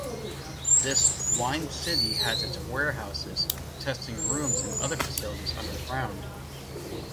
This "wine city" has its warehouses, tasting rooms and other facilities underground.